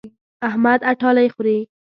احمد اټالۍ خوري.